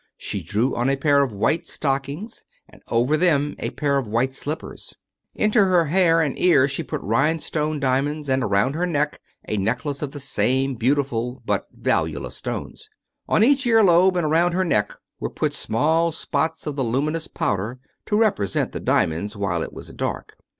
She drew on a pair of white stock ings, and over them a pair of white slippers. Into her hair 300 How Spirits Materialise and ears she put rhinestone diamonds, and around her neck a necklace of the same beautiful but valueless stones. On each ear lobe and around her neck were put small spots of the luminous powder to represent the diamonds while it was dark.